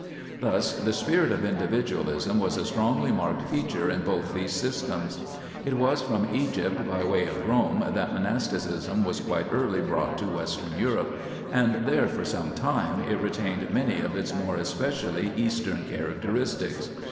1 Thus the spirit of individualism was a strongly marked feature in both these systems. It was from Egypt by way of Rome that monasticism was quite early brought to western Europe, and there for some time it retained many of its more especially Eastern char acteristics.